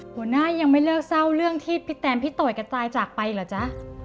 หัวหน้ายังไม่เลิกเศร้าเรื่องที่พี่แตนพี่ต่อยกระจายจากไปเหรอจ๊ะ